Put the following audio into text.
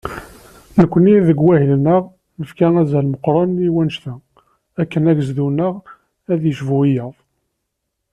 Nekkni deg wahil-nneɣ, nefka azal meqqren i wannect-a, akken agezdu-nneɣ ad yecbu wiyaḍ.